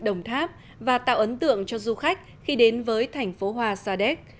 đồng tháp và tạo ấn tượng cho du khách khi đến với thành phố hoa sa đéc